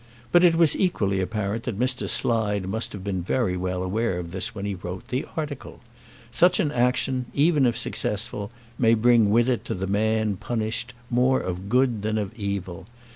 But it was equally apparent that Mr. Quintus Slide must have been very well aware of this when he wrote the article. Such an action, even if successful, may bring with it to the man punished more of good than of evil.